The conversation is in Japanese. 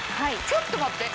ちょっと待って。